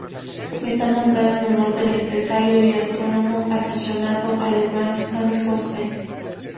Está nombrado en honor del empresario y astrónomo aficionado alemán Hans Osten.